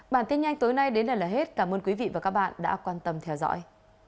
bản tin nhanh tối nay đến đây là hết cảm ơn quý vị và các bạn đã quan tâm theo dõi